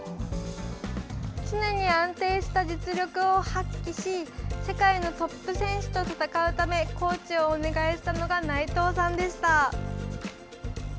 常に安定した実力を発揮し世界のトップ選手と戦うためコーチをお願いしたのが内藤さんでした。